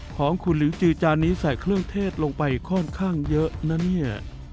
ของคุณหลิวจือจานนี้ใส่เครื่องเทศลงไปค่อนข้างเยอะนะเนี่ย